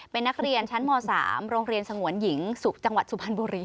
เป็นนักเรียนชั้นม๓โรงเรียนสงวนหญิงจังหวัดสุพรรณบุรี